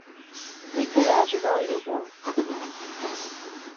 Nekk ad ɛejbeɣ Yuba.